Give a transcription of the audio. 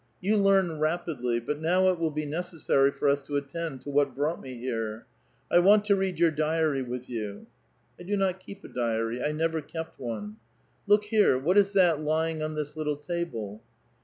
^'You learn rapidly; but now it '^^ill be necessary for us to attend to what brought me here. ^ "Want to read your diary with you." '' I do not keep a diary ; I never kept one." " Look here ; what is that lying on this little table?